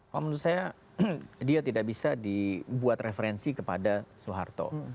kalau menurut saya dia tidak bisa dibuat referensi kepada soeharto